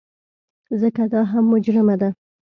ځکه دا هم مجرمه ده.